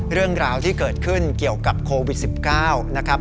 เรื่องราวที่เกิดขึ้นเกี่ยวกับโควิด๑๙นะครับ